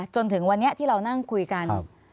จนถึงวันนี้ที่เรานั่งคุยกัน